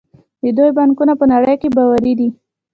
د دوی بانکونه په نړۍ کې باوري دي.